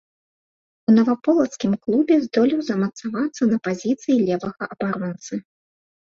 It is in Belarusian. У наваполацкім клубе здолеў замацавацца на пазіцыі левага абаронцы.